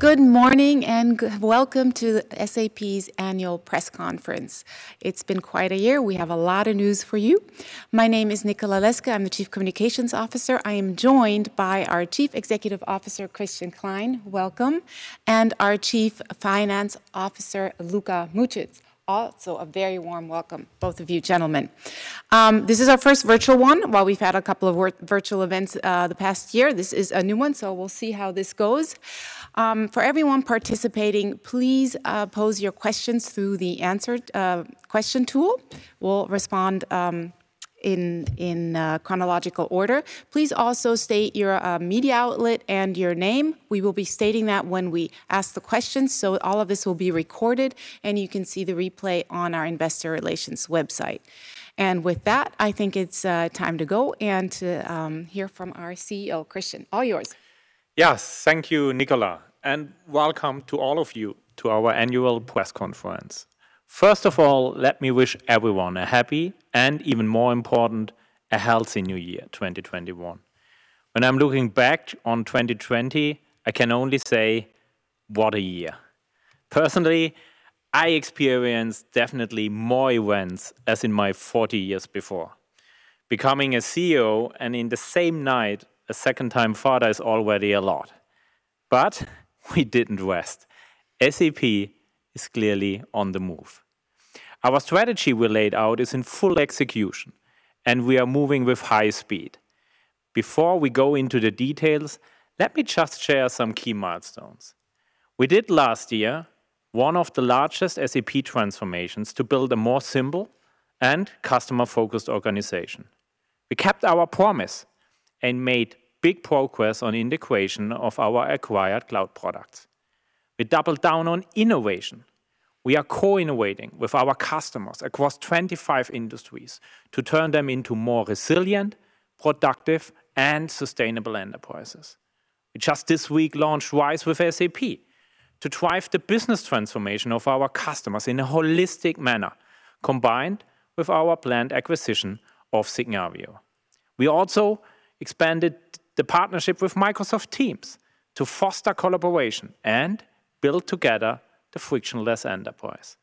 Good morning, welcome to SAP's annual press conference. It's been quite a year. We have a lot of news for you. My name is Nicola Leske. I'm the Chief Communications Officer. I am joined by our Chief Executive Officer, Christian Klein. Welcome. Our Chief Finance Officer, Luka Mucic. Also, a very warm welcome, both of you gentlemen. This is our first virtual one. While we've had a couple of virtual events the past year, this is a new one, so we'll see how this goes. For everyone participating, please pose your questions through the question tool. We'll respond in chronological order. Please also state your media outlet and your name. We will be stating that when we ask the questions, so all of this will be recorded, and you can see the replay on our investor relations website. With that, I think it's time to go and to hear from our CEO, Christian. All yours. Yes. Thank you, Nicola. Welcome to all of you to our annual press conference. First of all, let me wish everyone a happy, and even more important, a healthy new year, 2021. When I'm looking back on 2020, I can only say, What a year. Personally, I experienced definitely more events as in my 40 years before. Becoming a CEO, and in the same night, a second-time father is already a lot. We didn't rest. SAP is clearly on the move. Our strategy we laid out is in full execution, and we are moving with high speed. Before we go into the details, let me just share some key milestones. We did last year one of the largest SAP transformations to build a more simple and customer-focused organization. We kept our promise and made big progress on integration of our acquired cloud products. We doubled down on innovation. We are co-innovating with our customers across 25 industries to turn them into more resilient, productive, and sustainable enterprises. We just this week launched RISE with SAP to drive the business transformation of our customers in a holistic manner, combined with our planned acquisition of Signavio. We also expanded the partnership with Microsoft Teams to foster collaboration and build together the frictionless enterprise.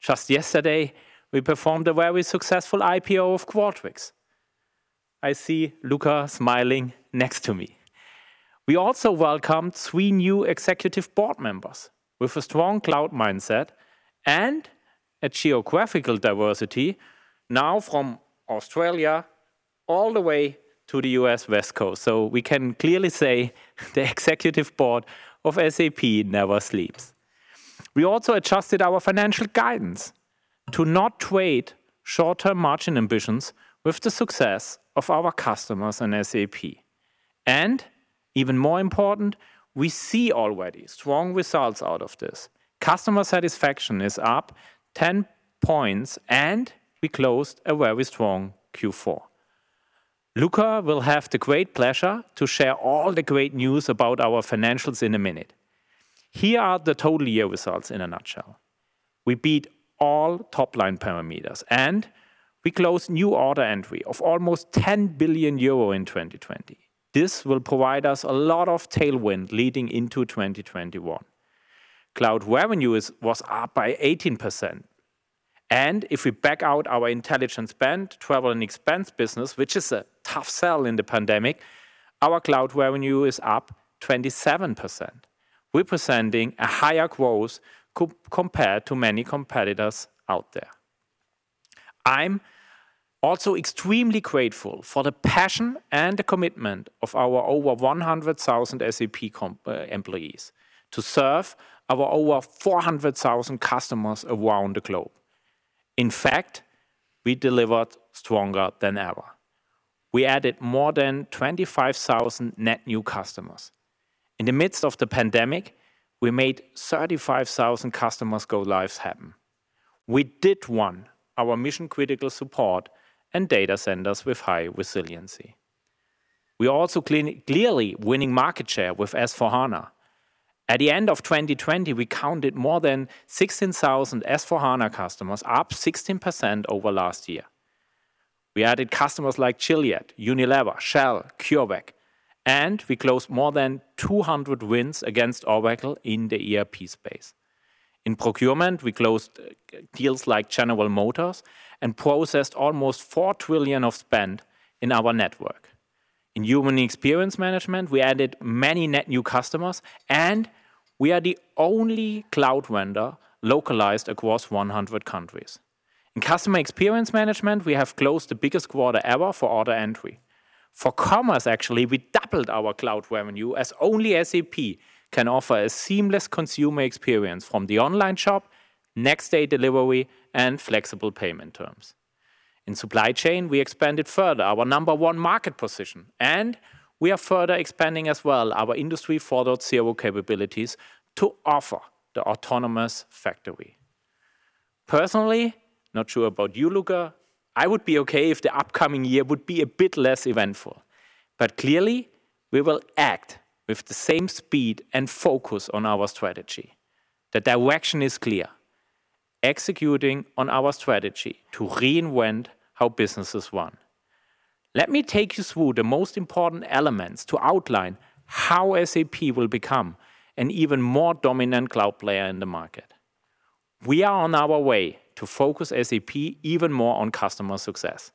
Just yesterday, we performed a very successful IPO of Qualtrics. I see Luka smiling next to me. We also welcomed three new executive board members with a strong cloud mindset and a geographical diversity now from Australia all the way to the U.S. West Coast. We can clearly say the executive board of SAP never sleeps. We also adjusted our financial guidance to not trade short-term margin ambitions with the success of our customers and SAP. Even more important, we see already strong results out of this. Customer satisfaction is up 10 points, and we closed a very strong Q4. Luka will have the great pleasure to share all the great news about our financials in a minute. Here are the total year results in a nutshell. We beat all top-line parameters, and we closed new order entry of almost 10 billion euro in 2020. This will provide us a lot of tailwind leading into 2021. Cloud revenue was up by 18%. If we back out our Intelligent Spend, travel, and expense business, which is a tough sell in the pandemic, our cloud revenue is up 27%, representing a higher growth compared to many competitors out there. I'm also extremely grateful for the passion and the commitment of our over 100,000 SAP employees to serve our over 400,000 customers around the globe. In fact, we delivered stronger than ever. We added more than 25,000 net new customers. In the midst of the pandemic, we made 35,000 customers go lives happen. We did run our mission-critical support and data centers with high resiliency. We are also clearly winning market share with S/4HANA. At the end of 2020, we counted more than 16,000 S/4HANA customers, up 16% over last year. We added customers like Gilead, Unilever, Shell, CureVac, and we closed more than 200 wins against Oracle in the ERP space. In procurement, we closed deals like General Motors and processed almost 4 trillion of spend in our network. In human experience management, we added many net new customers, and we are the only cloud vendor localized across 100 countries. In customer experience management, we have closed the biggest quarter ever for order entry. For commerce, actually, we doubled our cloud revenue, as only SAP can offer a seamless consumer experience from the online shop, next-day delivery, and flexible payment terms. In supply chain, we expanded further our number one market position, and we are further expanding as well our Industry 4.0 capabilities to offer the autonomous factory. Personally, not sure about you, Luka, I would be okay if the upcoming year would be a bit less eventful. Clearly, we will act with the same speed and focus on our strategy. The direction is clear, executing on our strategy to reinvent how businesses run. Let me take you through the most important elements to outline how SAP will become an even more dominant cloud player in the market. We are on our way to focus SAP even more on customer success.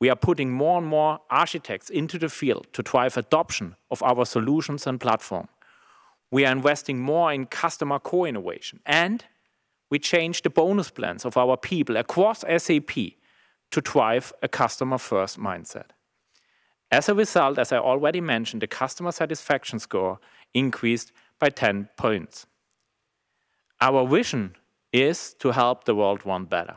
We are putting more and more architects into the field to drive adoption of our solutions and platform. We are investing more in customer co-innovation. We changed the bonus plans of our people across SAP to drive a customer-first mindset. As a result, as I already mentioned, the customer satisfaction score increased by 10 points. Our vision is to help the world run better.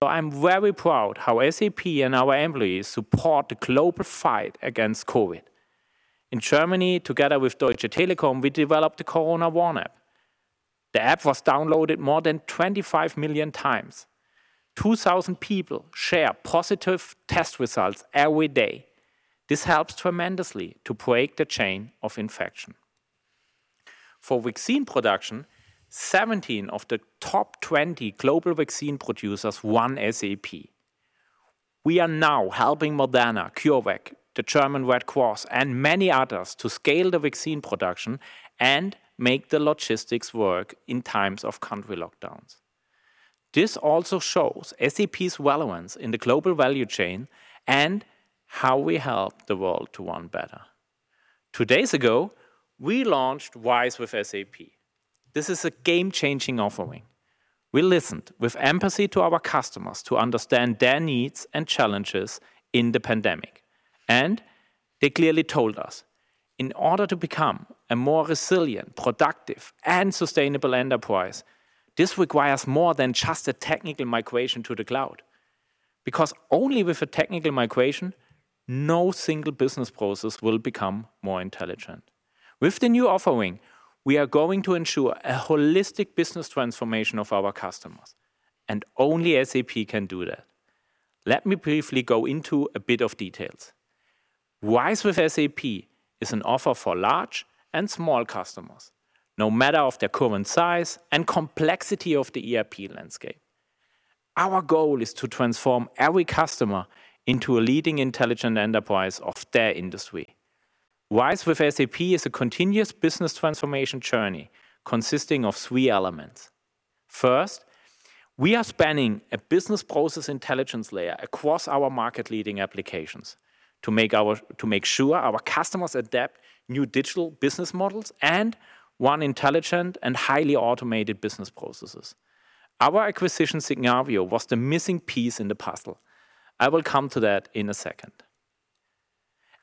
I'm very proud how SAP and our employees support the global fight against COVID. In Germany, together with Deutsche Telekom, we developed the Corona-Warn-App. The app was downloaded more than 25 million times. 2,000 people share positive test results every day. This helps tremendously to break the chain of infection. For vaccine production, 17 of the top 20 global vaccine producers run SAP. We are now helping Moderna, CureVac, the German Red Cross, and many others to scale the vaccine production and make the logistics work in times of country lockdowns. This also shows SAP's relevance in the global value chain and how we help the world to run better. Two days ago, we launched RISE with SAP. This is a game-changing offering. We listened with empathy to our customers to understand their needs and challenges in the pandemic. They clearly told us, in order to become a more resilient, productive, and sustainable enterprise, this requires more than just a technical migration to the cloud. Only with a technical migration, no single business process will become more intelligent. With the new offering, we are going to ensure a holistic business transformation of our customers. Only SAP can do that. Let me briefly go into a bit of details. RISE with SAP is an offer for large and small customers, no matter of their current size and complexity of the ERP landscape. Our goal is to transform every customer into a leading intelligent enterprise of their industry. RISE with SAP is a continuous business transformation journey consisting of three elements. First, we are spanning a Business Process Intelligence layer across our market-leading applications to make sure our customers adapt new digital business models and run intelligent and highly automated business processes. Our acquisition, Signavio, was the missing piece in the puzzle. I will come to that in a second.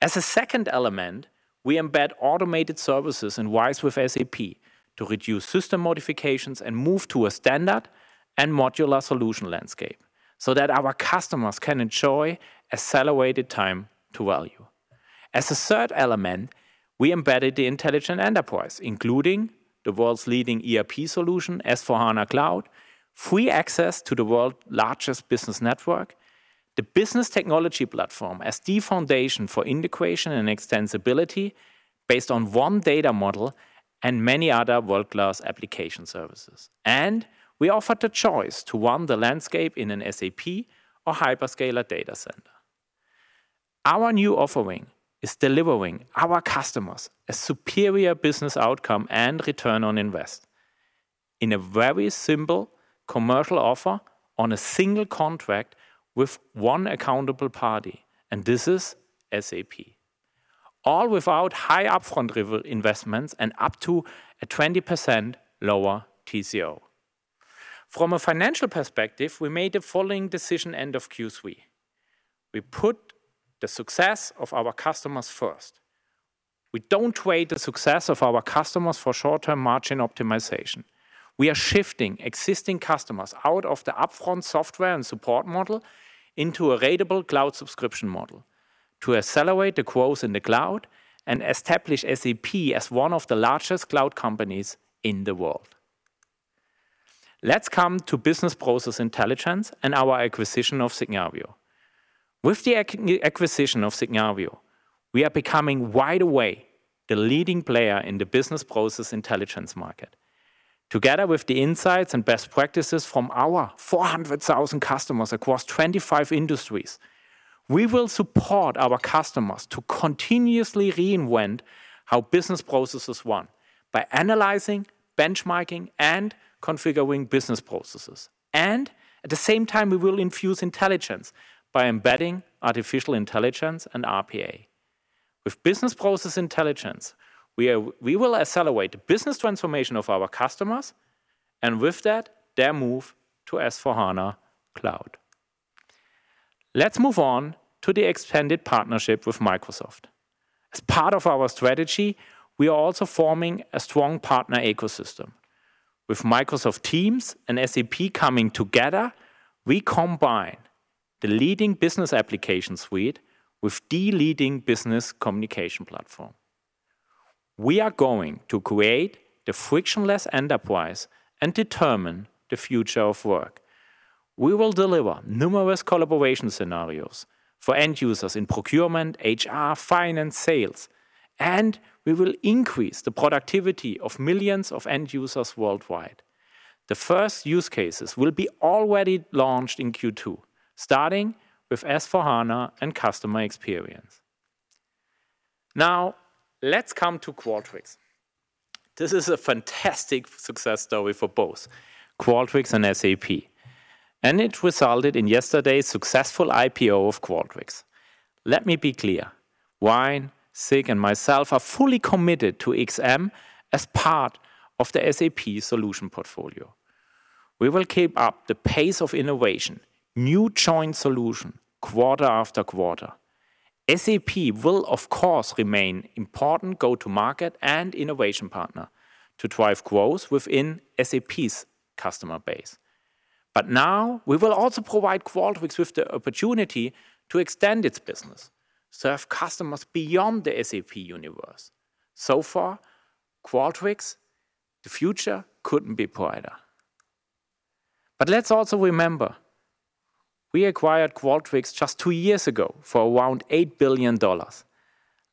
As a second element, we embed automated services in RISE with SAP to reduce system modifications and move to a standard and modular solution landscape so that our customers can enjoy accelerated time to value. As a third element, we embedded the Intelligent Enterprise, including the world's leading ERP solution, S/4HANA Cloud, free access to the world's largest business network, the Business Technology Platform as the foundation for integration and extensibility based on one data model, and many other world-class application services. We offer the choice to run the landscape in an SAP or hyperscaler data center. Our new offering is delivering our customers a superior business outcome and return on invest in a very simple commercial offer on a single contract with one accountable party, this is SAP. All without high upfront investments and up to a 20% lower TCO. From a financial perspective, we made the following decision end of Q3. We put the success of our customers first. We don't trade the success of our customers for short-term margin optimization. We are shifting existing customers out of the upfront software and support model into a ratable cloud subscription model to accelerate the growth in the cloud and establish SAP as one of the largest cloud companies in the world. Come to business process intelligence and our acquisition of Signavio. The acquisition of Signavio, we are becoming right away the leading player in the business process intelligence market. Together with the insights and best practices from our 400,000 customers across 25 industries, we will support our customers to continuously reinvent how business processes run by analyzing, benchmarking, and configuring business processes. At the same time, we will infuse intelligence by embedding artificial intelligence and RPA. Business process intelligence, we will accelerate the business transformation of our customers and with that, their move to S/4HANA Cloud. Move on to the extended partnership with Microsoft. As part of our strategy, we are also forming a strong partner ecosystem. With Microsoft Teams and SAP coming together, we combine the leading business application suite with the leading business communication platform. We are going to create the frictionless enterprise and determine the future of work. We will deliver numerous collaboration scenarios for end users in procurement, HR, finance, sales. We will increase the productivity of millions of end users worldwide. The first use cases will be already launched in Q2, starting with S/4HANA and customer experience. Now, let's come to Qualtrics. This is a fantastic success story for both Qualtrics and SAP, and it resulted in yesterday's successful IPO of Qualtrics. Let me be clear. Ryan, Zig, and myself are fully committed to XM as part of the SAP solution portfolio. We will keep up the pace of innovation, new joint solution quarter after quarter. SAP will, of course, remain important go-to market and innovation partner to drive growth within SAP's customer base. Now we will also provide Qualtrics with the opportunity to extend its business, serve customers beyond the SAP universe. So for Qualtrics, the future couldn't be brighter. Let's also remember, we acquired Qualtrics just two years ago for around EUR 8 billion.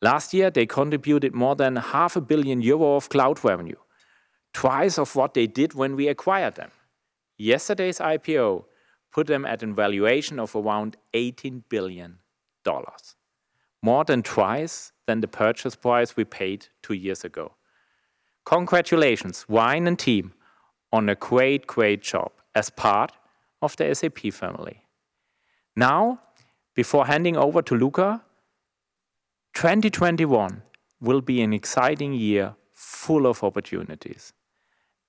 Last year, they contributed more than 500 million euro of cloud revenue, twice of what they did when we acquired them. Yesterday's IPO put them at a valuation of around EUR 18 billion, more than twice than the purchase price we paid two years ago. Congratulations, Ryan and team, on a great job as part of the SAP family. Before handing over to Luka, 2021 will be an exciting year full of opportunities,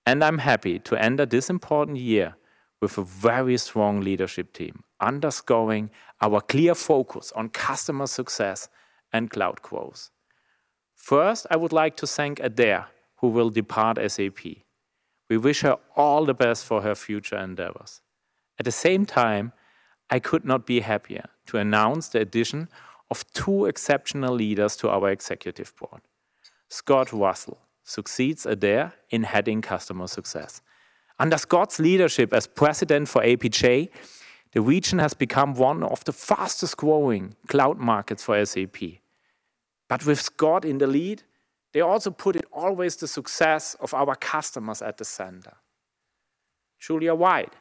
and I'm happy to end this important year with a very strong leadership team, underscoring our clear focus on customer success and cloud growth. I would like to thank Adaire, who will depart SAP. We wish her all the best for her future endeavors. I could not be happier to announce the addition of two exceptional leaders to our executive board. Scott Russell succeeds Adaire in heading customer success. Under Scott's leadership as president for APJ, the region has become one of the fastest-growing cloud markets for SAP. With Scott in the lead, they also put always the success of our customers at the center. Julia White.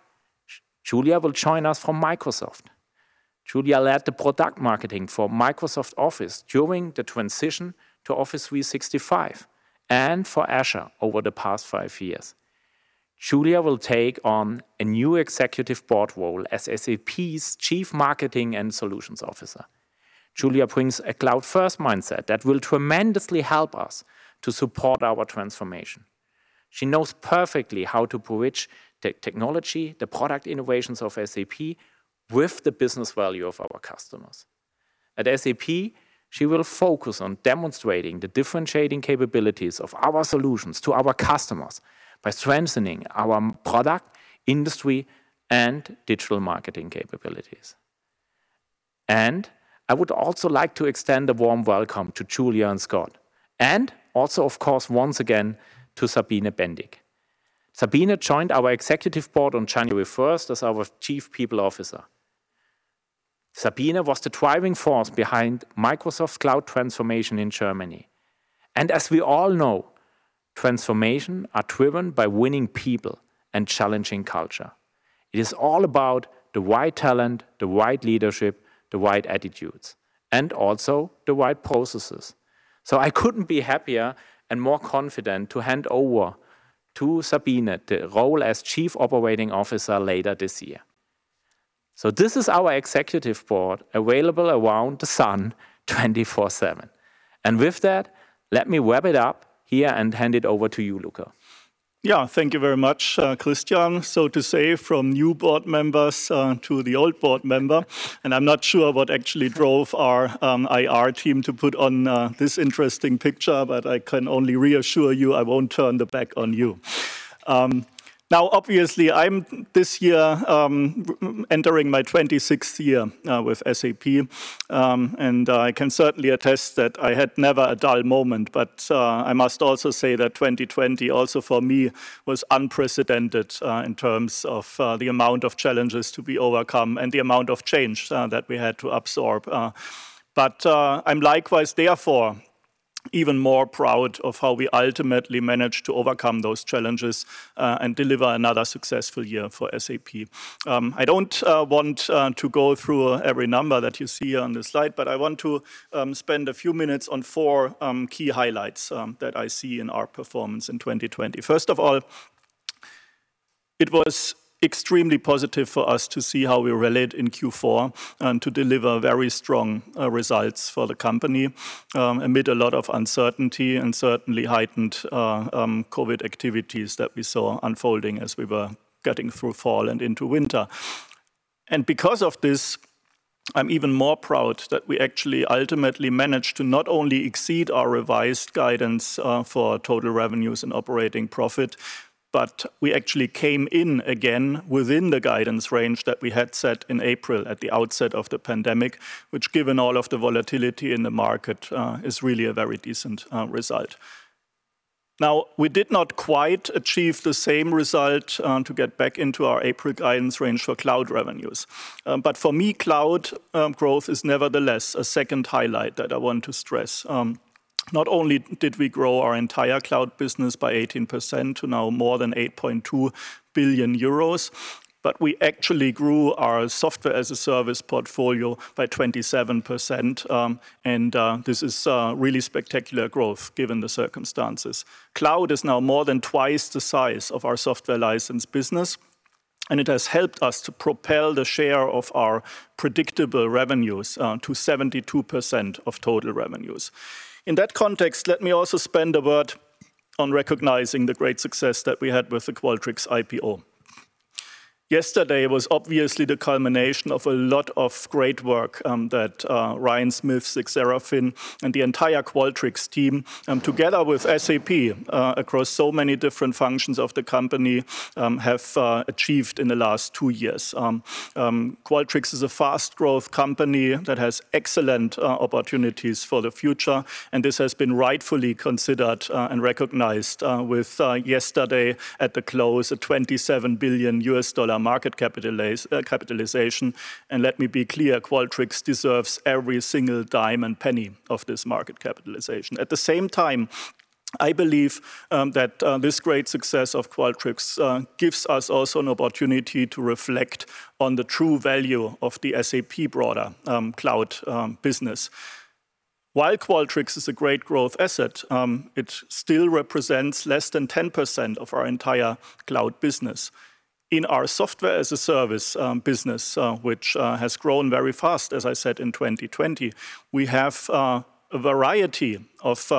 Julia will join us from Microsoft. Julia led the product marketing for Microsoft Office during the transition to Office 365 and for Azure over the past five years. Julia will take on a new executive board role as SAP's Chief Marketing and Solutions Officer. Julia brings a cloud-first mindset that will tremendously help us to support our transformation. She knows perfectly how to bridge technology, the product innovations of SAP with the business value of our customers. At SAP, she will focus on demonstrating the differentiating capabilities of our solutions to our customers by strengthening our product, industry, and digital marketing capabilities. I would also like to extend a warm welcome to Julia and Scott, and also, of course, once again, to Sabine Bendiek. Sabine joined our executive board on January 1st as our Chief People Officer. Sabine was the driving force behind Microsoft's cloud transformation in Germany. As we all know, transformation are driven by winning people and challenging culture. It is all about the right talent, the right leadership, the right attitudes, and also the right processes. I couldn't be happier and more confident to hand over to Sabine the role as Chief Operating Officer later this year. This is our executive board available around the sun 24/7. With that, let me wrap it up here and hand it over to you, Luka. Yeah. Thank you very much, Christian. So to say, from new board members to the old board member, and I'm not sure what actually drove our IR team to put on this interesting picture, but I can only reassure you I won't turn my back on you. Now, obviously, I'm this year entering my 26th year with SAP, and I can certainly attest that I had never a dull moment. But I must also say that 2020 also for me, was unprecedented in terms of the amount of challenges to be overcome and the amount of change that we had to absorb. But I'm likewise, therefore, even more proud of how we ultimately managed to overcome those challenges and deliver another successful year for SAP. I don't want to go through every number that you see on the slide, but I want to spend a few minutes on four key highlights that I see in our performance in 2020. First of all, it was extremely positive for us to see how we relate in Q4 and to deliver very strong results for the company amid a lot of uncertainty and certainly heightened COVID activities that we saw unfolding as we were getting through fall and into winter. Because of this, I'm even more proud that we actually ultimately managed to not only exceed our revised guidance for total revenues and operating profit, but we actually came in again within the guidance range that we had set in April at the outset of the pandemic, which given all of the volatility in the market, is really a very decent result. We did not quite achieve the same result to get back into our April guidance range for cloud revenues. For me, cloud growth is nevertheless a second highlight that I want to stress. Not only did we grow our entire cloud business by 18% to now more than 8.2 billion euros, but we actually grew our software-as-a-service portfolio by 27%. This is really spectacular growth given the circumstances. Cloud is now more than twice the size of our software license business, and it has helped us to propel the share of our predictable revenues to 72% of total revenues. In that context, let me also spend a word on recognizing the great success that we had with the Qualtrics IPO. Yesterday was obviously the culmination of a lot of great work that Ryan Smith, Zig Serafin, and the entire Qualtrics team together with SAP across so many different functions of the company have achieved in the last two years. Qualtrics is a fast growth company that has excellent opportunities for the future, this has been rightfully considered and recognized with yesterday at the close, a $27 billion market capitalization. Let me be clear, Qualtrics deserves every single dime and penny of this market capitalization. At the same time, I believe that this great success of Qualtrics gives us also an opportunity to reflect on the true value of the SAP broader cloud business. While Qualtrics is a great growth asset, it still represents less than 10% of our entire cloud business. In our software-as-a-service business, which has grown very fast as I said, in 2020, we have a variety of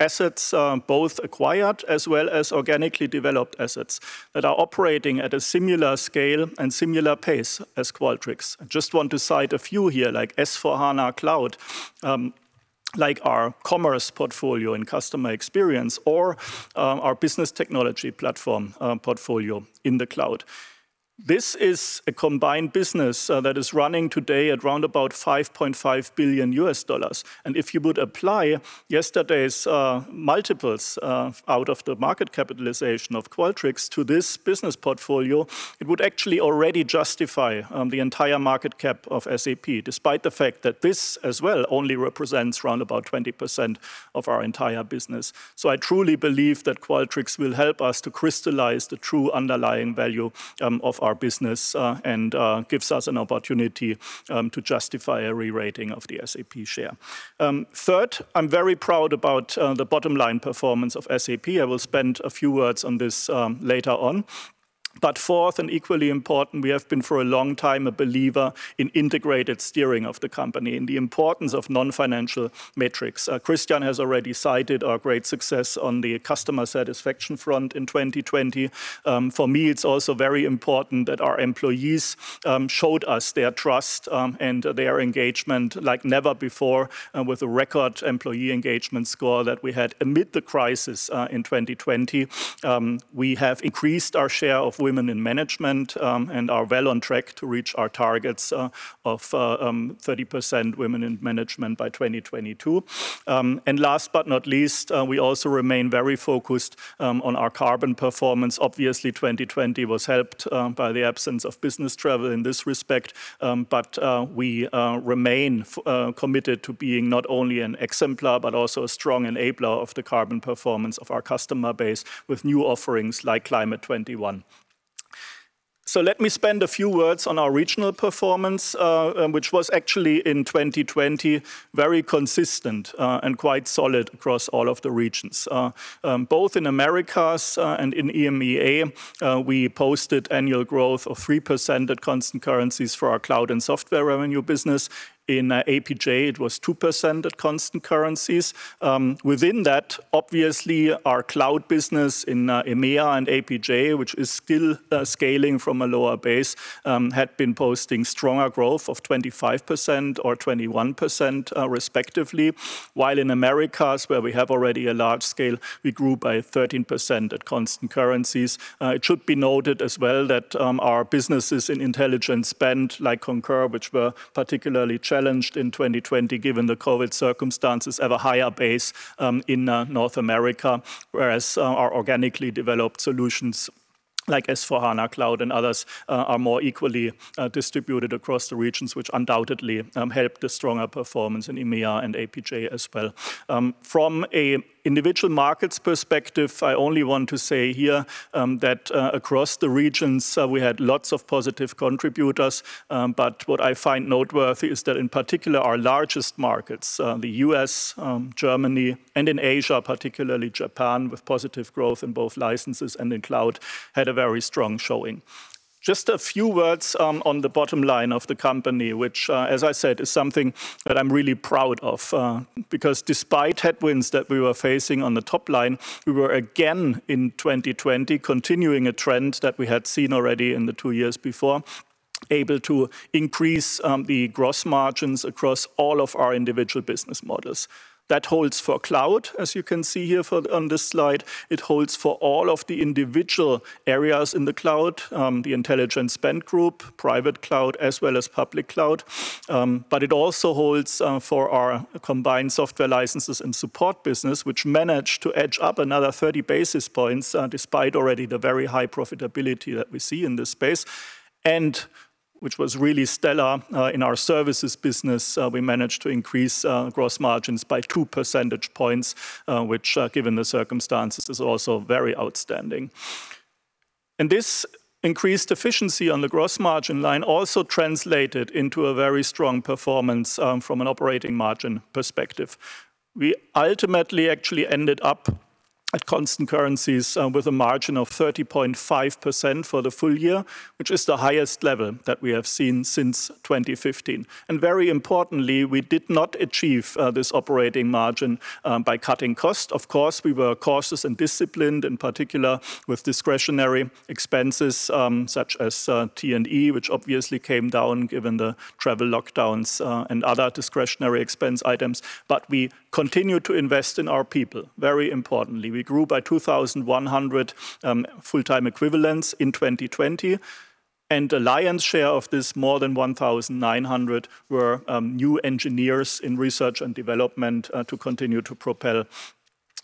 assets both acquired as well as organically developed assets that are operating at a similar scale and similar pace as Qualtrics. I just want to cite a few here, like S/4HANA Cloud, like our commerce portfolio and customer experience, or our SAP Business Technology Platform portfolio in the cloud. This is a combined business that is running today at round about $5.5 billion. If you would apply yesterday's multiples out of the market capitalization of Qualtrics to this business portfolio, it would actually already justify the entire market cap of SAP, despite the fact that this as well only represents round about 20% of our entire business. I truly believe that Qualtrics will help us to crystallize the true underlying value of our business, and gives us an opportunity to justify a re-rating of the SAP share. Third, I'm very proud about the bottom-line performance of SAP. I will spend a few words on this later on. Fourth and equally important, we have been for a long time a believer in integrated steering of the company and the importance of non-financial metrics. Christian has already cited our great success on the customer satisfaction front in 2020. For me, it's also very important that our employees showed us their trust and their engagement like never before with a record employee engagement score that we had amid the crisis in 2020. We have increased our share of women in management, are well on track to reach our targets of 30% women in management by 2022. Last but not least, we also remain very focused on our carbon performance. Obviously, 2020 was helped by the absence of business travel in this respect. We remain committed to being not only an exemplar, but also a strong enabler of the carbon performance of our customer base with new offerings like Climate 21. Let me spend a few words on our regional performance, which was actually in 2020, very consistent and quite solid across all of the regions. Both in Americas and in EMEA, we posted annual growth of 3% at constant currencies for our cloud and software revenue business. In APJ, it was 2% at constant currencies. Within that, obviously our cloud business in EMEA and APJ, which is still scaling from a lower base, had been posting stronger growth of 25% or 21% respectively. While in Americas, where we have already a large scale, we grew by 13% at constant currencies. It should be noted as well that our businesses in Intelligent Spend, like Concur, which were particularly challenged in 2020 given the COVID circumstances, have a higher base in North America, whereas our organically developed solutions like S/4HANA Cloud and others are more equally distributed across the regions, which undoubtedly helped a stronger performance in EMEA and APJ as well. From an individual markets perspective, I only want to say here that across the regions, we had lots of positive contributors. What I find noteworthy is that in particular, our largest markets, the U.S., Germany, and in Asia, particularly Japan, with positive growth in both licenses and in cloud, had a very strong showing. Just a few words on the bottom line of the company, which, as I said, is something that I'm really proud of. Despite headwinds that we were facing on the top line, we were again in 2020 continuing a trend that we had seen already in the two years before, able to increase the gross margins across all of our individual business models. That holds for cloud, as you can see here on this slide. It holds for all of the individual areas in the cloud, the Intelligent Spend group, private cloud, as well as public cloud. It also holds for our combined software licenses and support business, which managed to edge up another 30 basis points, despite already the very high profitability that we see in this space, and which was really stellar in our services business. We managed to increase gross margins by 2 percentage points, which given the circumstances, is also very outstanding. This increased efficiency on the gross margin line also translated into a very strong performance from an operating margin perspective. We ultimately actually ended up at constant currencies with a margin of 30.5% for the full year, which is the highest level that we have seen since 2015. Very importantly, we did not achieve this operating margin by cutting costs. Of course, we were cautious and disciplined, in particular with discretionary expenses, such as T&E, which obviously came down given the travel lockdowns, and other discretionary expense items. We continued to invest in our people, very importantly. We grew by 2,100 full-time equivalents in 2020. The lion's share of this, more than 1,900, were new engineers in research and development to continue to propel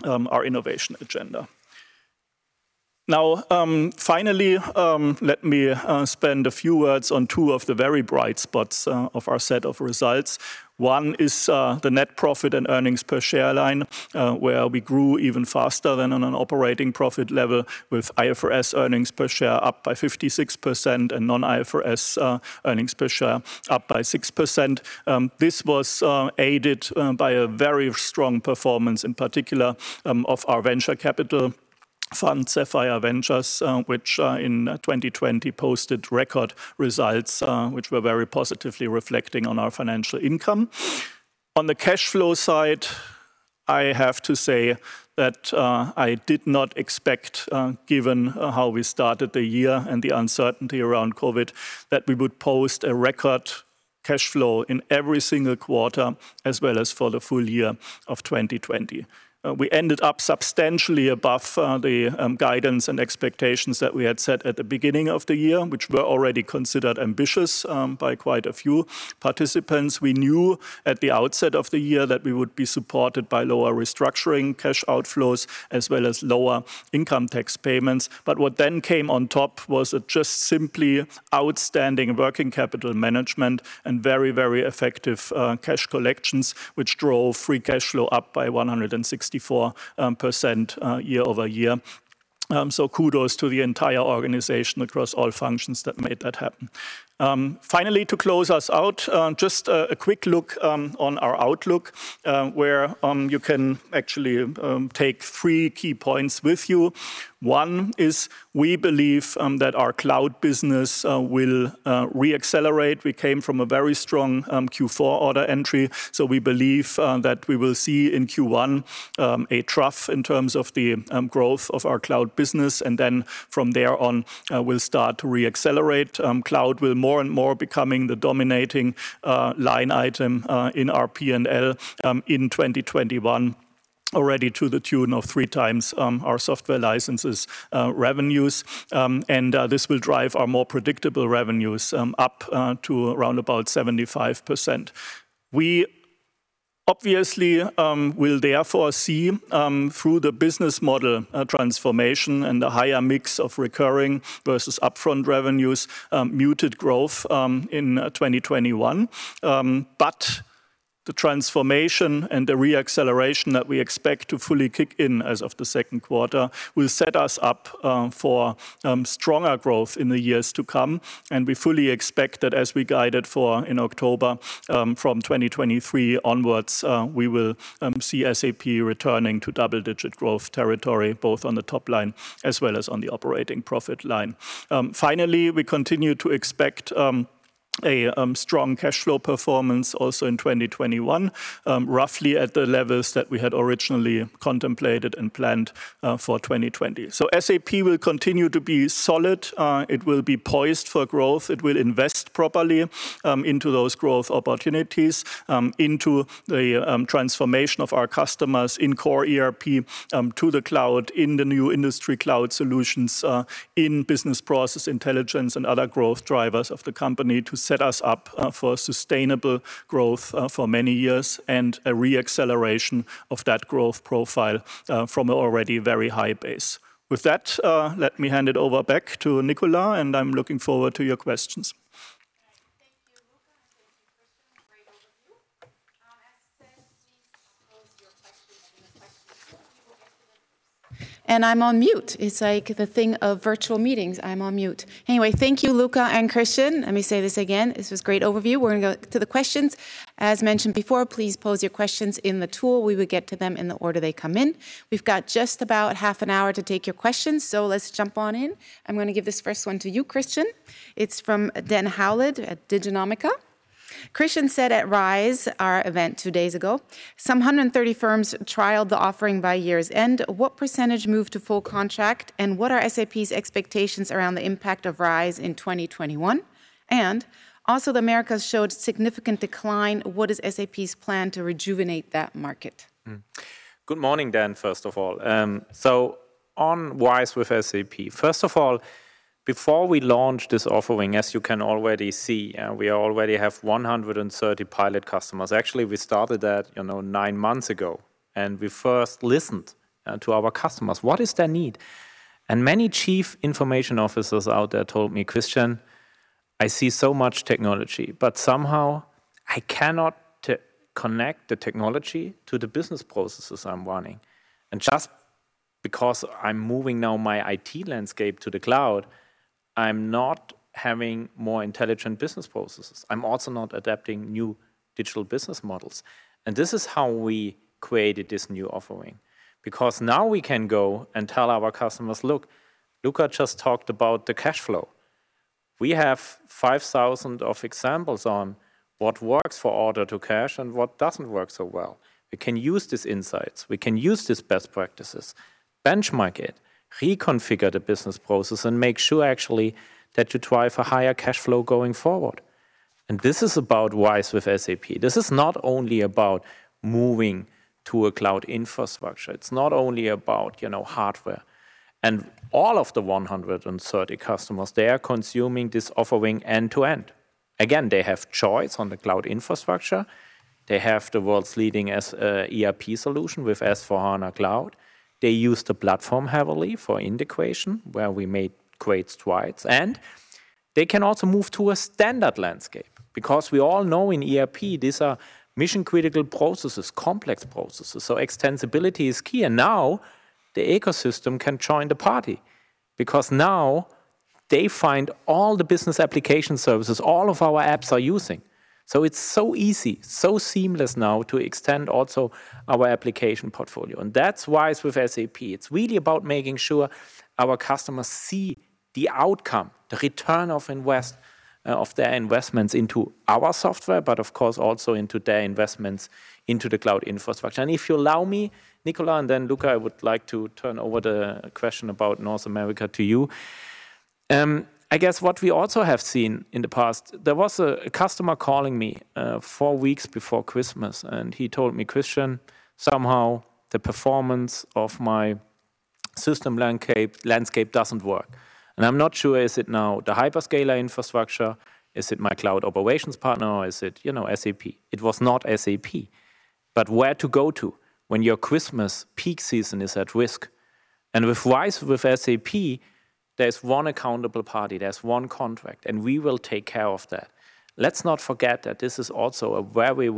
our innovation agenda. Now, finally, let me spend a few words on two of the very bright spots of our set of results. One is the net profit and earnings per share line, where we grew even faster than on an operating profit level with IFRS earnings per share up by 56% and non-IFRS earnings per share up by 6%. This was aided by a very strong performance in particular of our venture capital fund, Sapphire Ventures, which in 2020 posted record results, which were very positively reflecting on our financial income. On the cash flow side, I have to say that I did not expect, given how we started the year and the uncertainty around COVID, that we would post a record cash flow in every single quarter as well as for the full year of 2020. We ended up substantially above the guidance and expectations that we had set at the beginning of the year, which were already considered ambitious by quite a few participants. We knew at the outset of the year that we would be supported by lower restructuring cash outflows as well as lower income tax payments. What then came on top was a just simply outstanding working capital management and very, very effective cash collections, which drove free cash flow up by 164% year-over-year. Kudos to the entire organization across all functions that made that happen. Finally, to close us out, just a quick look on our outlook, where you can actually take three key points with you. One is we believe that our cloud business will re-accelerate. We came from a very strong Q4 order entry. We believe that we will see in Q1 a trough in terms of the growth of our cloud business, and then from there on, we'll start to re-accelerate. Cloud will more and more becoming the dominating line item in our P&L in 2021, already to the tune of 3x our software licenses revenues. This will drive our more predictable revenues up to around about 75%. We obviously will therefore see through the business model transformation and the higher mix of recurring versus upfront revenues, muted growth in 2021. The transformation and the re-acceleration that we expect to fully kick in as of the second quarter will set us up for stronger growth in the years to come. We fully expect that as we guided for in October, from 2023 onwards, we will see SAP returning to double-digit growth territory, both on the top line as well as on the operating profit line. Finally, we continue to expect a strong cash flow performance also in 2021, roughly at the levels that we had originally contemplated and planned for 2020. SAP will continue to be solid. It will be poised for growth. It will invest properly into those growth opportunities, into the transformation of our customers in core ERP to the cloud, in the new industry cloud solutions, in business process intelligence and other growth drivers of the company to set us up for sustainable growth for many years and a re-acceleration of that growth profile from an already very high base. With that, let me hand it over back to Nicola, and I'm looking forward to your questions. Thank you, Luka, and thank you, Christian. Great overview. As said, please pose your questions in the questions tool. We will get to them. I'm on mute. It's like the thing of virtual meetings. I'm on mute. Thank you, Luka and Christian. Let me say this again. This was great overview. We're going to go to the questions. As mentioned before, please pose your questions in the tool. We will get to them in the order they come in. We've got just about half an hour to take your questions, so let's jump on in. I'm going to give this first one to you, Christian. It's from Den Howlett at Diginomica. Christian said at RISE, our event two days ago, some 130 firms trialed the offering by year's end. What percentage moved to full contract, and what are SAP's expectations around the impact of RISE in 2021? Also, the Americas showed significant decline. What is SAP's plan to rejuvenate that market? Good morning, Den, first of all. On RISE with SAP, first of all, before we launched this offering, as you can already see, we already have 130 pilot customers. Actually, we started that nine months ago, we first listened to our customers. What is their need? Many chief information officers out there told me, "Christian, I see so much technology, but somehow I cannot connect the technology to the business processes I'm running. Just because I'm moving now my IT landscape to the cloud, I'm not having more intelligent business processes. I'm also not adapting new digital business models." This is how we created this new offering. Because now we can go and tell our customers, "Look, Luka just talked about the cash flow. We have 5,000 of examples on what works for order-to-cash and what doesn't work so well. We can use these insights. We can use these best practices, benchmark it, reconfigure the business process, and make sure actually that you drive a higher cash flow going forward. This is about RISE with SAP. This is not only about moving to a cloud infrastructure. It's not only about hardware. All of the 130 customers, they are consuming this offering end to end. Again, they have choice on the cloud infrastructure. They have the world's leading ERP solution with S/4HANA Cloud. They use the platform heavily for integration, where we made great strides, and they can also move to a standard landscape because we all know in ERP, these are mission-critical processes, complex processes, so extensibility is key. Now the ecosystem can join the party because now they find all the business application services all of our apps are using. It's so easy, so seamless now to extend also our application portfolio. That's RISE with SAP. It's really about making sure our customers see the outcome, the return of their investments into our software, but of course also into their investments into the cloud infrastructure. If you allow me, Nicola, and then Luka, I would like to turn over the question about North America to you. I guess what we also have seen in the past, there was a customer calling me four weeks before Christmas, and he told me, "Christian, somehow the performance of my system landscape doesn't work." I'm not sure, is it now the hyperscaler infrastructure? Is it my cloud operations partner, or is it SAP? It was not SAP. Where to go to when your Christmas peak season is at risk? With RISE with SAP, there's one accountable party. There's one contract, and we will take care of that. Let's not forget that this is also a very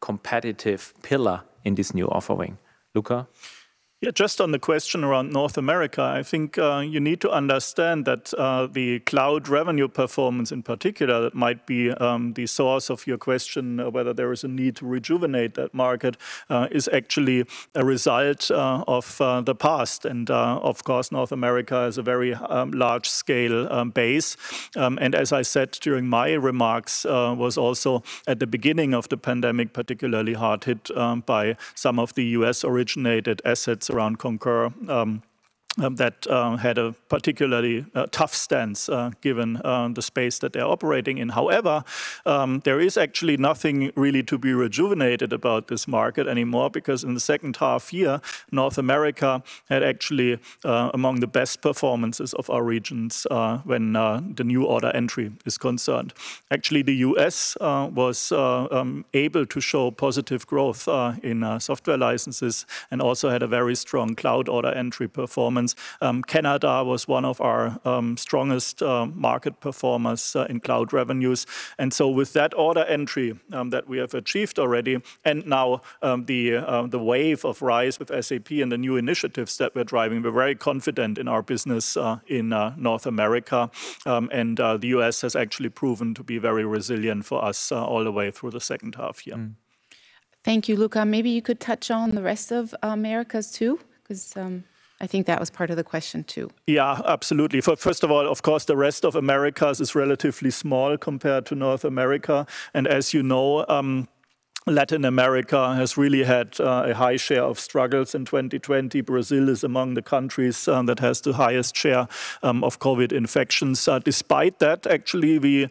competitive pillar in this new offering. Luka? Yeah. Just on the question around North America, I think you need to understand that the cloud revenue performance in particular, that might be the source of your question, whether there is a need to rejuvenate that market, is actually a result of the past. Of course, North America is a very large-scale base. As I said during my remarks, was also at the beginning of the pandemic, particularly hard hit by some of the U.S.-originated assets around Concur, entry performance. Canada was one of our strongest market performers in cloud revenues. With that order entry that we have achieved already and now the wave of RISE with SAP and the new initiatives that we're driving, we're very confident in our business in North America. The U.S. has actually proven to be very resilient for us all the way through the second half year. Thank you, Luka. Maybe you could touch on the rest of Americas, too, because I think that was part of the question, too. Yeah, absolutely. First of all, of course, the rest of Americas is relatively small compared to North America. As you know, Latin America has really had a high share of struggles in 2020. Brazil is among the countries that has the highest share of COVID infections. Despite that, actually, we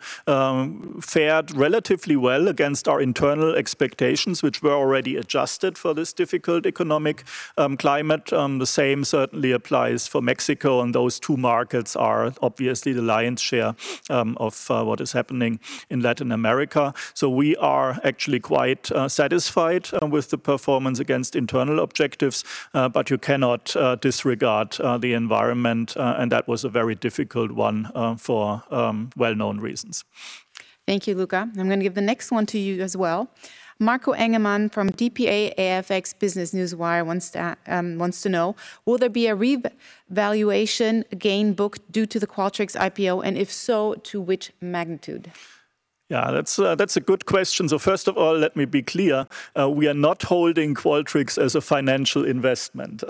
fared relatively well against our internal expectations, which were already adjusted for this difficult economic climate. The same certainly applies for Mexico, and those two markets are obviously the lion's share of what is happening in Latin America. We are actually quite satisfied with the performance against internal objectives. You cannot disregard the environment, and that was a very difficult one for well-known reasons. Thank you, Luka. I'm going to give the next one to you as well. Marco Engemann from dpa-AFX Business Newswire wants to know, will there be a revaluation gain booked due to the Qualtrics IPO, and if so, to which magnitude? Yeah, that's a good question. First of all, let me be clear. We are not holding Qualtrics as a financial investment.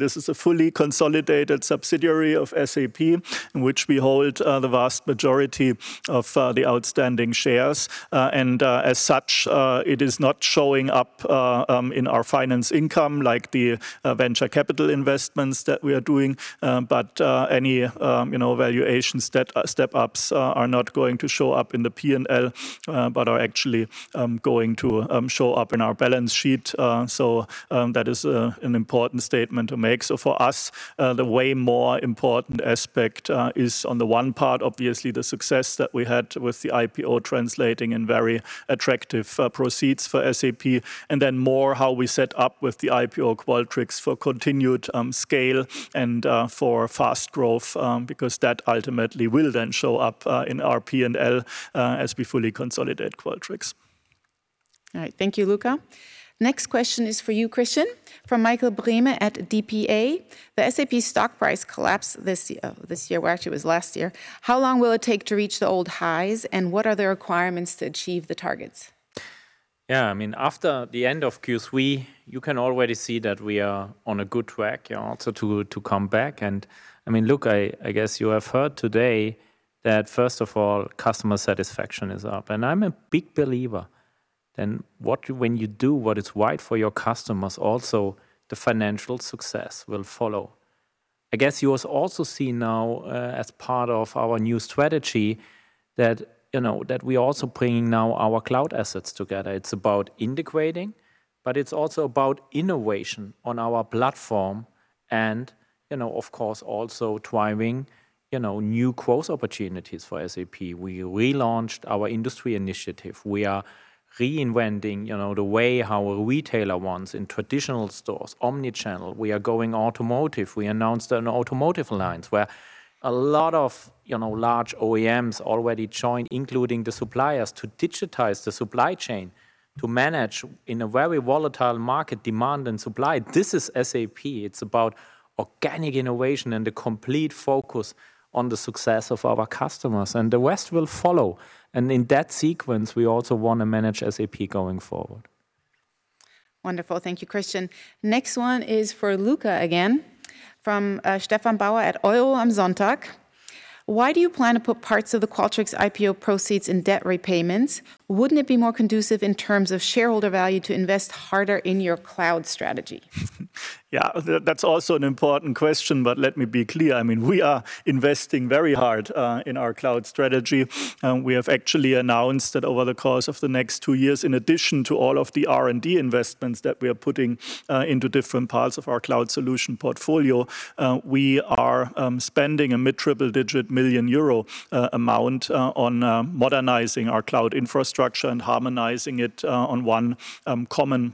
This is a fully consolidated subsidiary of SAP, in which we hold the vast majority of the outstanding shares. As such, it is not showing up in our finance income like the venture capital investments that we are doing. Any valuations, step-ups, are not going to show up in the P&L, but are actually going to show up in our balance sheet. That is an important statement to make. For us, the way more important aspect is on the one part, obviously, the success that we had with the IPO translating in very attractive proceeds for SAP, and then more how we set up with the IPO Qualtrics for continued scale and for fast growth, because that ultimately will then show up in our P&L as we fully consolidate Qualtrics. All right. Thank you, Luka. Next question is for you, Christian, from Michael Brehme at dpa. The SAP stock price collapsed this year. Well, actually, it was last year. How long will it take to reach the old highs, and what are the requirements to achieve the targets? Yeah, after the end of Q3, you can already see that we are on a good track to come back. Luka, I guess you have heard today that first of all, customer satisfaction is up. I'm a big believer when you do what is right for your customers, also the financial success will follow. I guess you will also see now, as part of our new strategy, that we're also bringing now our cloud assets together. It's about integrating, but it's also about innovation on our platform and, of course, also driving new growth opportunities for SAP. We relaunched our industry initiative. We are reinventing the way our retailer wants in traditional stores, omni-channel. We are going automotive. We announced an automotive alliance where a lot of large OEMs already joined, including the suppliers, to digitize the supply chain to manage in a very volatile market, demand and supply. This is SAP. It's about organic innovation and a complete focus on the success of our customers, and the rest will follow. In that sequence, we also want to manage SAP going forward. Wonderful. Thank you, Christian. Next one is for Luka again, from Stephan Bauer at Euro am Sonntag. Why do you plan to put parts of the Qualtrics IPO proceeds in debt repayments? Wouldn't it be more conducive in terms of shareholder value to invest harder in your cloud strategy? That's also an important question, let me be clear. We are investing very hard in our cloud strategy. We have actually announced that over the course of the next two years, in addition to all of the R&D investments that we are putting into different parts of our cloud solution portfolio, we are spending a mid-triple digit million EUR amount on modernizing our cloud infrastructure and harmonizing it on one common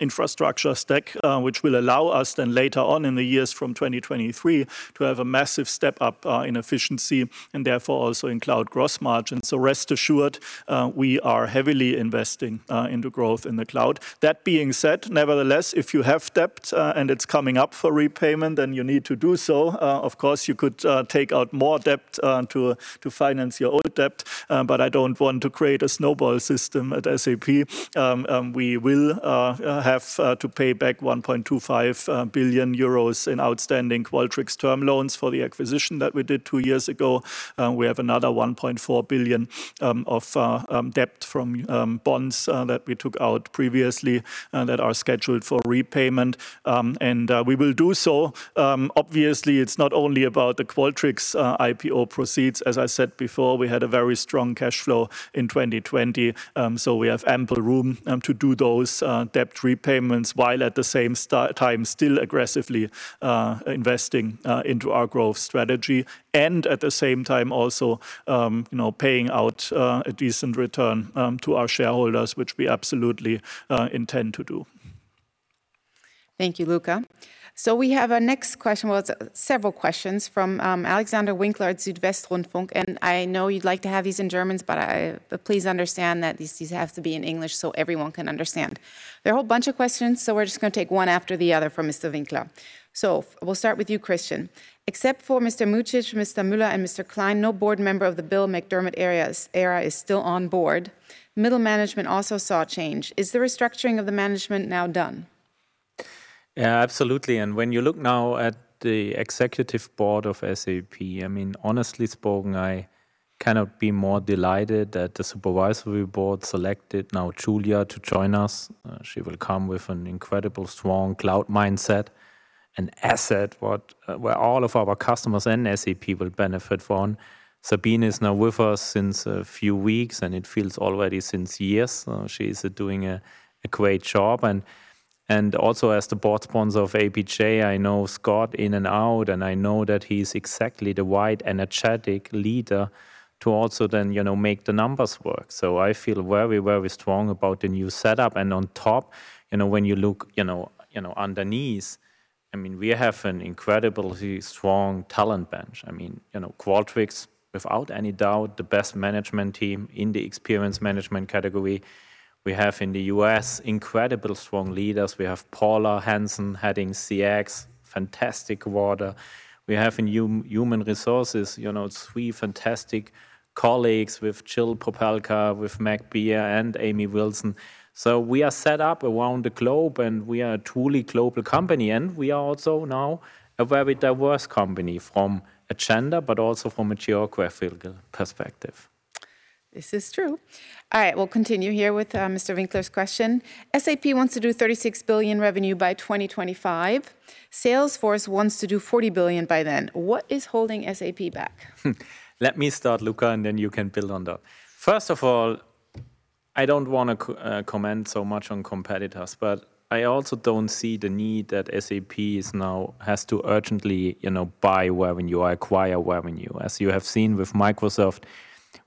infrastructure stack, which will allow us then later on in the years from 2023 to have a massive step-up in efficiency and therefore also in cloud gross margins. Rest assured, we are heavily investing into growth in the cloud. That being said, nevertheless, if you have debt and it's coming up for repayment, you need to do so. Of course, you could take out more debt to finance your old debt, but I don't want to create a snowball system at SAP. We will have to pay back 1.25 billion euros in outstanding Qualtrics term loans for the acquisition that we did two years ago. We have another 1.4 billion of debt from bonds that we took out previously that are scheduled for repayment. We will do so. Obviously, it's not only about the Qualtrics IPO proceeds. As I said before, we had a very strong cash flow in 2020, so we have ample room to do those debt repayments while at the same time still aggressively investing into our growth strategy and at the same time also paying out a decent return to our shareholders, which we absolutely intend to do. Thank you, Luka. We have our next question. It's several questions from Alexander Winkler at Südwestrundfunk, and I know you'd like to have these in German, but please understand that these have to be in English so everyone can understand. There are a whole bunch of questions, we're just going to take one after the other from Mr. Winkler. We'll start with you, Christian. Except for Mr. Mucic, Mr. Mueller, and Mr. Klein, no board member of the Bill McDermott era is still on board. Middle management also saw change. Is the restructuring of the management now done? Yeah, absolutely. When you look now at the executive board of SAP, honestly spoken, I cannot be more delighted that the supervisory board selected now Julia to join us. She will come with an incredibly strong cloud mindset, an asset where all of our customers and SAP will benefit from. Sabine is now with us since a few weeks, and it feels already since years. She's doing a great job. Also as the board sponsor of APJ, I know Scott in and out, and I know that he's exactly the right energetic leader to also then make the numbers work. I feel very, very strong about the new setup. On top, when you look underneath, we have an incredibly strong talent bench. Qualtrics, without any doubt, the best management team in the experience management category. We have in the U.S., incredible strong leaders. We have Paula Hansen heading CX, fantastic work. We have in human resources, three fantastic colleagues with Jill Popelka, with Meg Bear, and Amy Wilson. We are set up around the globe, and we are a truly global company, and we are also now a very diverse company from a gender, but also from a geographical perspective. This is true. All right, we'll continue here with Mr. Winkler's question. SAP wants to do 36 billion revenue by 2025. Salesforce wants to do 40 billion by then. What is holding SAP back? Let me start, Luka, and then you can build on that. First of all, I don't want to comment so much on competitors, but I also don't see the need that SAP now has to urgently buy revenue or acquire revenue. As you have seen with Microsoft,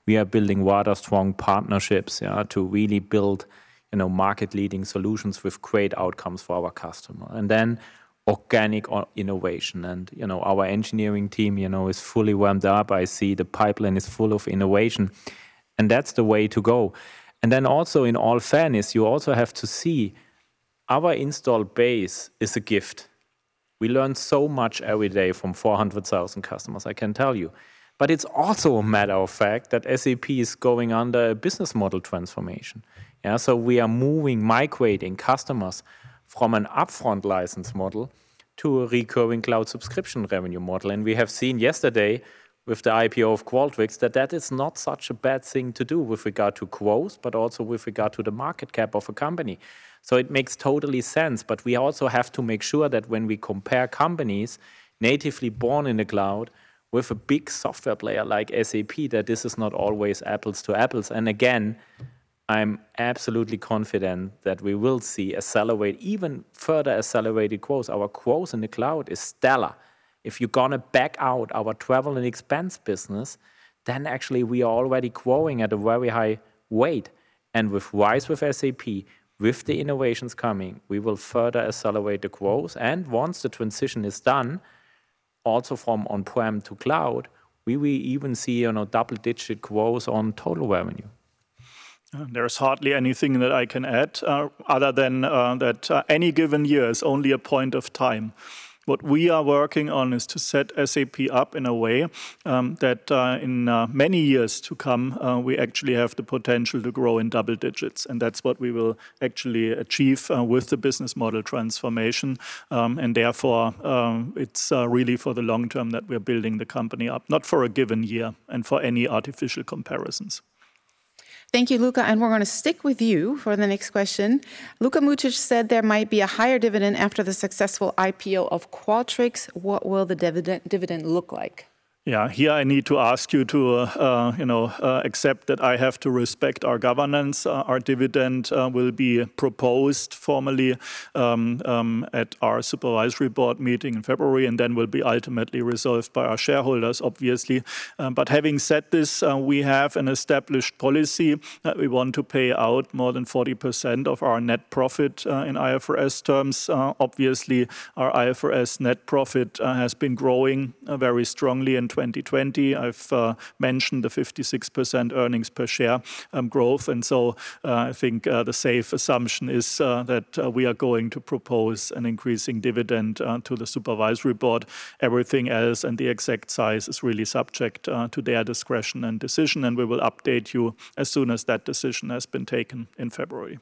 we are building rather strong partnerships to really build market-leading solutions with great outcomes for our customer. Organic innovation, our engineering team is fully ramped up. I see the pipeline is full of innovation, and that's the way to go. Also in all fairness, you also have to see our installed base is a gift. We learn so much every day from 400,000 customers, I can tell you. It's also a matter of fact that SAP is going under a business model transformation. We are moving, migrating customers from an upfront license model to a recurring cloud subscription revenue model. We have seen yesterday with the IPO of Qualtrics, that that is not such a bad thing to do with regard to growth, but also with regard to the market cap of a company. It makes totally sense, but we also have to make sure that when we compare companies natively born in the cloud with a big software player like SAP, that this is not always apples to apples. Again, I'm absolutely confident that we will see even further accelerated growth. Our growth in the cloud is stellar. If you're going to back out our travel and expense business, then actually we are already growing at a very high rate. With RISE with SAP, with the innovations coming, we will further accelerate the growth. Once the transition is done, also from on-prem to cloud, we will even see double-digit growth on total revenue. There's hardly anything that I can add, other than that any given year is only a point of time. What we are working on is to set SAP up in a way that in many years to come, we actually have the potential to grow in double digits, and that's what we will actually achieve with the business model transformation. Therefore, it's really for the long term that we're building the company up, not for a given year and for any artificial comparisons. Thank you, Luka. We're going to stick with you for the next question. Luka Mucic said there might be a higher dividend after the successful IPO of Qualtrics. What will the dividend look like? Yeah. Here I need to ask you to accept that I have to respect our governance. Our dividend will be proposed formally at our supervisory board meeting in February, and then will be ultimately resolved by our shareholders, obviously. Having said this, we have an established policy that we want to pay out more than 40% of our net profit in IFRS terms. Obviously, our IFRS net profit has been growing very strongly in 2020. I've mentioned the 56% earnings per share growth, and so I think the safe assumption is that we are going to propose an increasing dividend to the supervisory board. Everything else and the exact size is really subject to their discretion and decision, and we will update you as soon as that decision has been taken in February.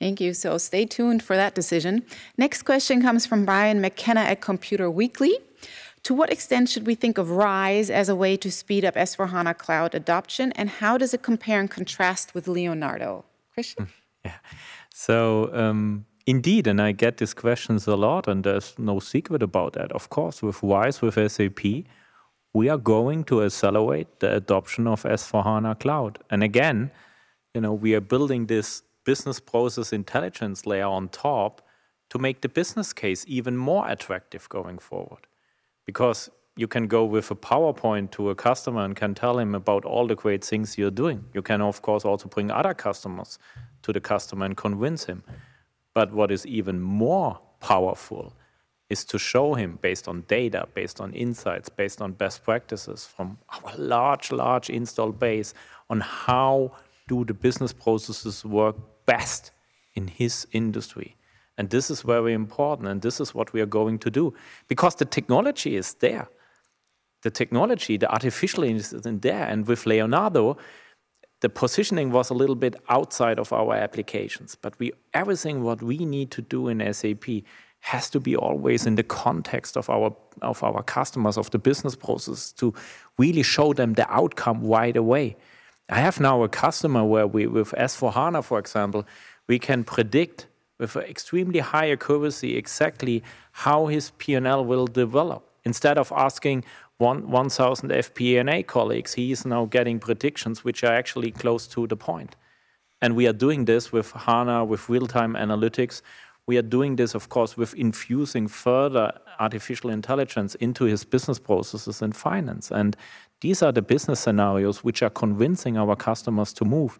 Thank you. Stay tuned for that decision. Next question comes from Brian McKenna at Computer Weekly. To what extent should we think of RISE as a way to speed up S/4HANA Cloud adoption, and how does it compare and contrast with Leonardo? Christian. Indeed, I get these questions a lot, there's no secret about that. Of course, with RISE with SAP, we are going to accelerate the adoption of S/4HANA Cloud. Again, we are building this business process intelligence layer on top to make the business case even more attractive going forward. You can go with a PowerPoint to a customer and can tell him about all the great things you're doing. You can, of course, also bring other customers to the customer and convince him. What is even more powerful is to show him based on data, based on insights, based on best practices from our large install base on how do the business processes work best in his industry. This is very important, and this is what we are going to do. The technology is there. The technology, the artificial intelligence is there. With Leonardo, the positioning was a little bit outside of our applications. Everything that we need to do in SAP has to be always in the context of our customers, of the business process, to really show them the outcome right away. I have now a customer where with S/4HANA, for example, we can predict with extremely high accuracy exactly how his P&L will develop. Instead of asking 1,000 FP&A colleagues, he is now getting predictions which are actually close to the point. We are doing this with HANA, with real-time analytics. We are doing this, of course, with infusing further artificial intelligence into his business processes and finance. These are the business scenarios which are convincing our customers to move.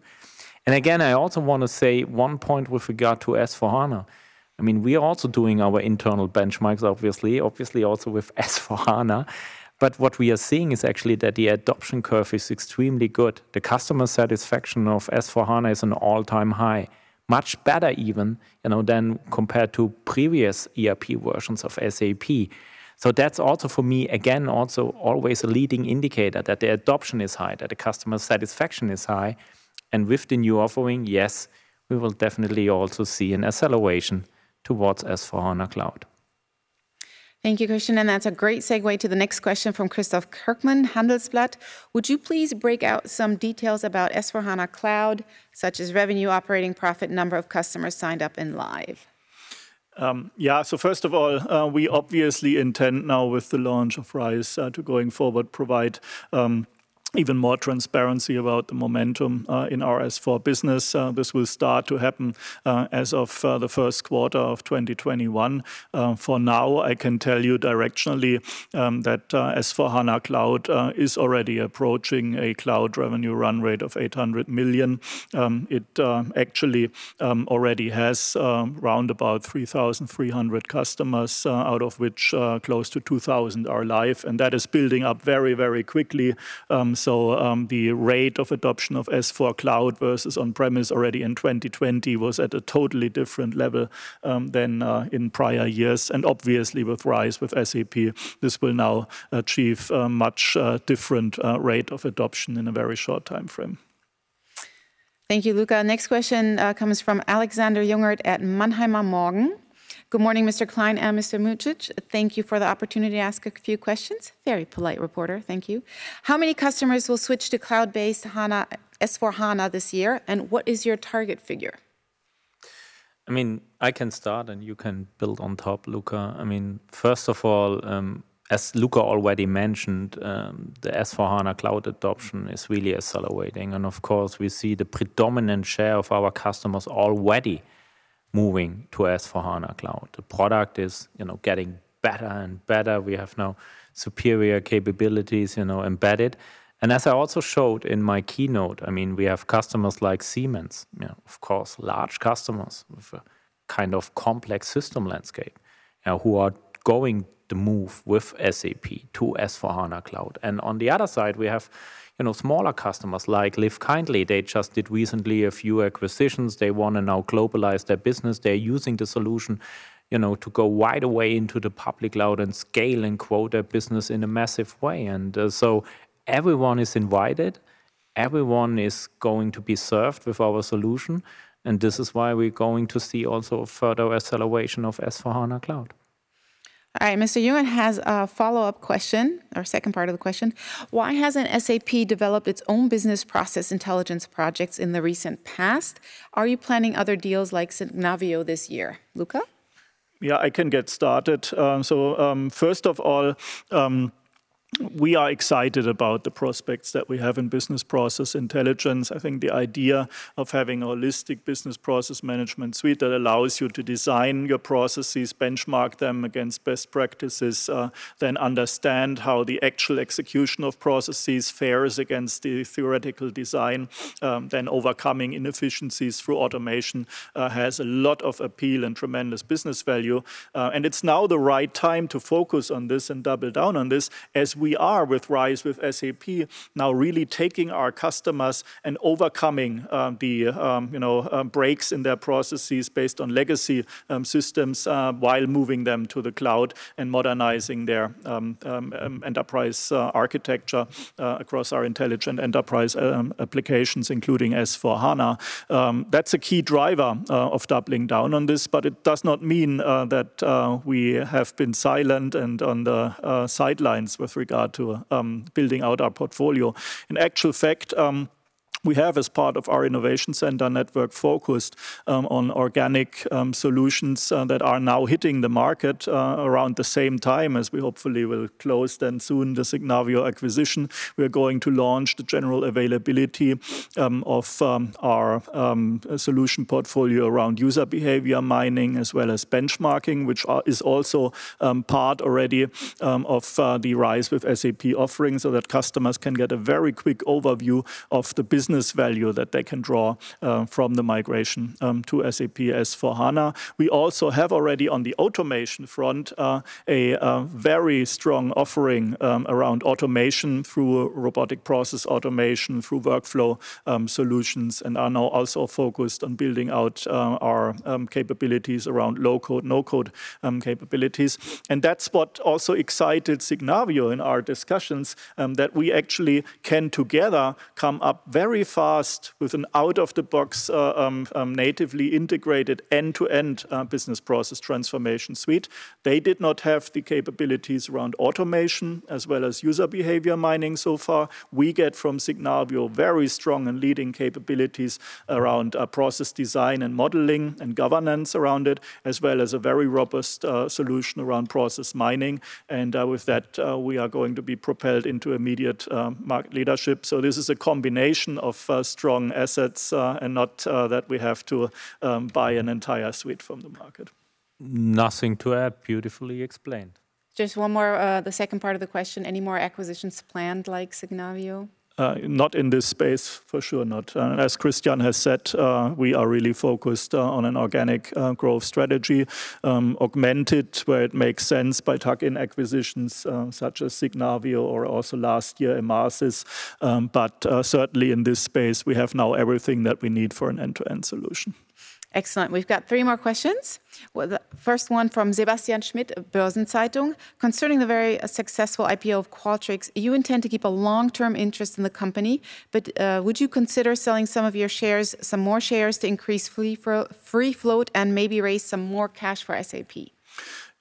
Again, I also want to say one point with regard to S/4HANA. We are also doing our internal benchmarks, obviously, also with S/4HANA, what we are seeing is actually that the adoption curve is extremely good. The customer satisfaction of S/4HANA is an all-time high, much better even, than compared to previous ERP versions of SAP. That's also for me, again, also always a leading indicator that the adoption is high, that the customer satisfaction is high, and with the new offering, yes, we will definitely also see an acceleration towards S/4HANA Cloud. Thank you, Christian. That's a great segue to the next question from Christof Kerkmann, "Handelsblatt." Would you please break out some details about S/4HANA Cloud, such as revenue, operating profit, number of customers signed up and live? Yeah, first of all, we obviously intend now with the launch of RISE, to going forward provide even more transparency about the momentum in our S/4 business. This will start to happen as of the first quarter of 2021. For now, I can tell you directionally, that S/4HANA Cloud is already approaching a cloud revenue run rate of 800 million. It actually already has round about 3,300 customers, out of which close to 2,000 are live. That is building up very quickly. The rate of adoption of S/4 Cloud versus on-premise already in 2020 was at a totally different level than in prior years. Obviously with RISE with SAP, this will now achieve a much different rate of adoption in a very short timeframe. Thank you, Luka. Next question comes from Alexander Jungert at "Mannheimer Morgen." "Good morning, Mr. Klein and Mr. Mucic. Thank you for the opportunity to ask a few questions." Very polite reporter. Thank you. "How many customers will switch to cloud-based S/4HANA this year, and what is your target figure? I can start, you can build on top, Luka. First of all, as Luka already mentioned, the S/4HANA Cloud adoption is really accelerating. Of course, we see the predominant share of our customers already moving to S/4HANA Cloud. The product is getting better and better. We have now superior capabilities embedded. As I also showed in my keynote, we have customers like Siemens. Of course, large customers with a kind of complex system landscape, who are going to move with SAP to S/4HANA Cloud. On the other side, we have smaller customers like LIVEKINDLY. They just did recently a few acquisitions. They want to now globalize their business. They're using the solution to go right away into the public cloud and scale and grow their business in a massive way. Everyone is invited. Everyone is going to be served with our solution, and this is why we're going to see also a further acceleration of S/4HANA Cloud. All right. Mr. Jungert has a follow-up question, or second part of the question: "Why hasn't SAP developed its own business process intelligence projects in the recent past? Are you planning other deals like Signavio this year?" Luka? Yeah, I can get started. First of all, we are excited about the prospects that we have in business process intelligence. I think the idea of having a holistic business process management suite that allows you to design your processes, benchmark them against best practices, then understand how the actual execution of processes fares against the theoretical design, then overcoming inefficiencies through automation, has a lot of appeal and tremendous business value. It's now the right time to focus on this and double down on this as we are with RISE with SAP, now really taking our customers and overcoming the breaks in their processes based on legacy systems, while moving them to the cloud and modernizing their enterprise architecture across our intelligent enterprise applications, including S/4HANA. That's a key driver of doubling down on this, but it does not mean that we have been silent and on the sidelines with regard to building out our portfolio. In actual fact, we have, as part of our innovation center network, focused on organic solutions that are now hitting the market around the same time as we hopefully will close then soon the Signavio acquisition. We are going to launch the general availability of our solution portfolio around user behavior mining, as well as benchmarking, which is also part already of the RISE with SAP offering, so that customers can get a very quick overview of the business value that they can draw from the migration to SAP S/4HANA. We also have already, on the automation front, a very strong offering around automation through robotic process automation, through workflow solutions, and are now also focused on building out our capabilities around low-code, no-code capabilities. That's what also excited Signavio in our discussions, that we actually can together come up very fast with an out-of-the-box, natively integrated end-to-end business process transformation suite. They did not have the capabilities around automation as well as user behavior mining so far. We get from Signavio very strong and leading capabilities around process design and modeling and governance around it, as well as a very robust solution around process mining. With that, we are going to be propelled into immediate market leadership. This is a combination of strong assets, not that we have to buy an entire suite from the market. Nothing to add. Beautifully explained. Just one more, the second part of the question. Any more acquisitions planned, like Signavio? Not in this space, for sure not. As Christian has said, we are really focused on an organic growth strategy, augmented where it makes sense by tuck-in acquisitions such as Signavio or also last year, Emarsys. Certainly in this space, we have now everything that we need for an end-to-end solution. Excellent. We've got three more questions. The first one from Sebastian Schmidt of Börsen-Zeitung. "Concerning the very successful IPO of Qualtrics, you intend to keep a long-term interest in the company. Would you consider selling some more shares to increase free float and maybe raise some more cash for SAP?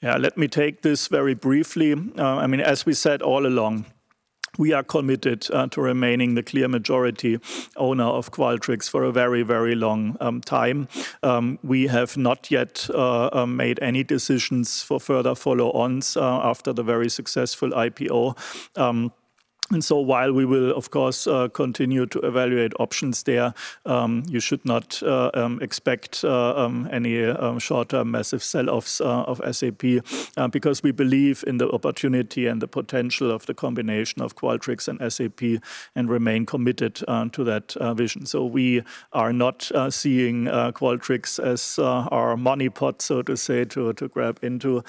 Yeah, let me take this very briefly. As we said all along, we are committed to remaining the clear majority owner of Qualtrics for a very long time. We have not yet made any decisions for further follow-ons after the very successful IPO. While we will, of course, continue to evaluate options there, you should not expect any short-term massive sell-offs of SAP because we believe in the opportunity and the potential of the combination of Qualtrics and SAP and remain committed to that vision. We are not seeing Qualtrics as our money pot, so to say, to grab into.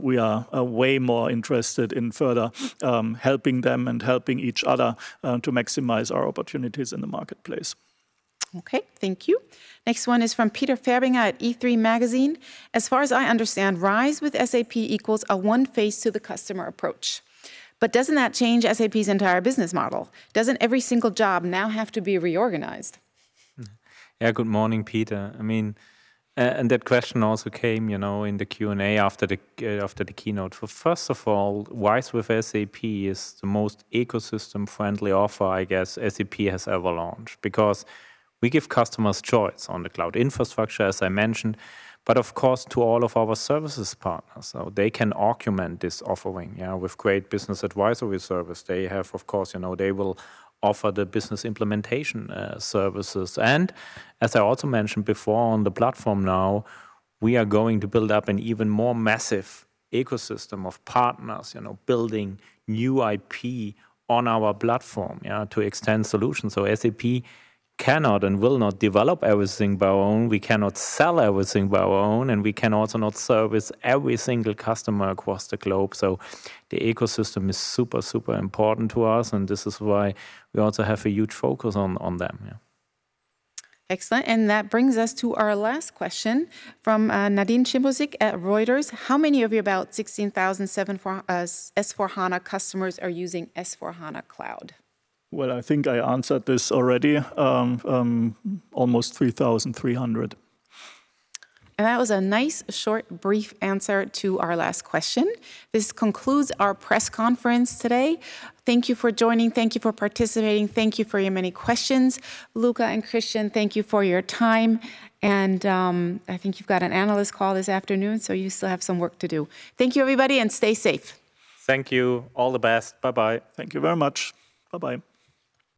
We are way more interested in further helping them and helping each other to maximize our opportunities in the marketplace. Okay. Thank you. Next one is from Peter Färbinger at E-3 Magazine. "As far as I understand, RISE with SAP equals a one face to the customer approach. Doesn't that change SAP's entire business model? Doesn't every single job now have to be reorganized? Yeah. Good morning, Peter. That question also came in the Q&A after the keynote. First of all, RISE with SAP is the most ecosystem-friendly offer, I guess, SAP has ever launched because we give customers choice on the cloud infrastructure, as I mentioned. Of course, to all of our services partners, so they can augment this offering with great business advisory service. They will offer the business implementation services. As I also mentioned before on the platform now, we are going to build up an even more massive ecosystem of partners, building new IP on our platform to extend solutions. SAP cannot and will not develop everything by our own, we cannot sell everything by our own, and we can also not service every single customer across the globe. The ecosystem is super important to us, and this is why we also have a huge focus on them, yeah. Excellent, that brings us to our last question from Nadine Schimroszik at Reuters. "How many of your about 16,000 S/4HANA customers are using S/4HANA Cloud? Well, I think I answered this already. Almost 3,300. That was a nice, short, brief answer to our last question. This concludes our press conference today. Thank you for joining. Thank you for participating. Thank you for your many questions. Luka and Christian, thank you for your time. I think you've got an analyst call this afternoon, so you still have some work to do. Thank you, everybody, and stay safe. Thank you. All the best. Bye-bye. Thank you very much. Bye-bye.